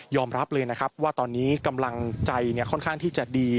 รับเลยนะครับว่าตอนนี้กำลังใจค่อนข้างที่จะดี